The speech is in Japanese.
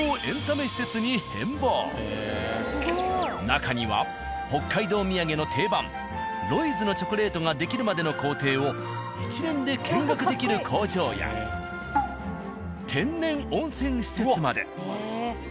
中には北海道土産の定番「ロイズ」のチョコレートが出来るまでの工程を一連で見学できる工場や天然温泉施設まで。